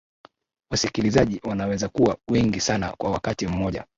wasikilizaji wanaweza kuwa wengi sana kwa wakati mmoja